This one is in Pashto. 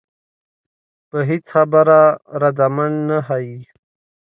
پۀ هېڅ خبره ردعمل نۀ ښائي